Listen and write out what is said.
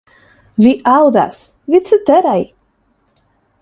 Vi aŭdas, vi ceteraj!